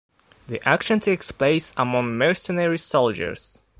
The action takes place among mercenary soldiers.